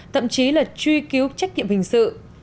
thậm chí là truy cứu trách nhiệm hình sự